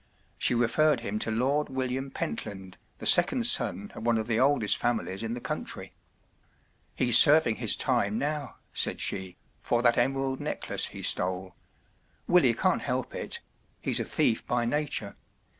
She referred him to Lord William Pentland, the second son of one of the oldest families in the country. “ He’s serving his time now,” said she, “ for that emerald necklace he stole. Willie can’t help it. He’s a thief by nature.